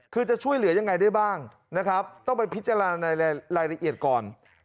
คือจะช่วยเหลือยังไงได้บ้างนะครับต้องไปพิจารณาในรายละเอียดก่อน